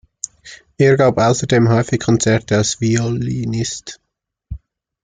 Er gab außerdem häufig Konzerte als Violinist.